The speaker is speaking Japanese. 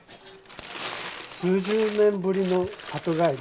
数十年ぶりの里帰り。